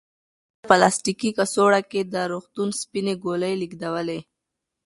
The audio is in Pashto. سړي په خپل پلاستیکي کڅوړه کې د روغتون سپینې ګولۍ لېږدولې.